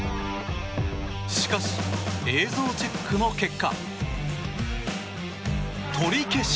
しかし、映像チェックの結果取り消し。